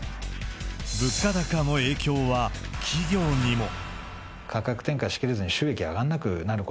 物価高の影響は企業にも。